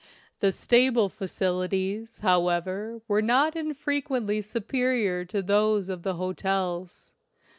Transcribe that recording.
The stable facilities, however, were not infre quently superior to those of the hotels.